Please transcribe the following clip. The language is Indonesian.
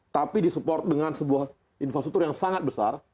tapi disupport dengan sebuah infrastruktur yang sangat besar